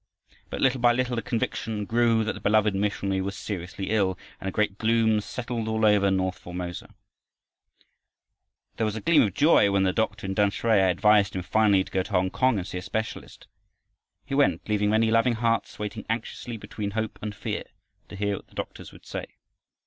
But little by little the conviction grew that the beloved missionary was seriously ill, and a great gloom settled all over north Formosa. There was a little gleam of joy when the doctor in Tamsui advised him finally to go to Hongkong and see a specialist He went, leaving many loving hearts waiting anxiously between hope and fear to hear what the doctors would say.